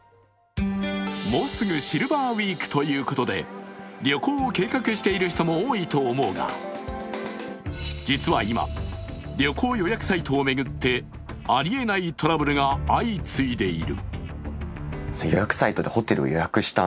もうすぐシルバーウィークということで旅行を計画している人も多いと思うが実は今、旅行予約サイトを巡ってあり得ないトラブルが相次いでいる。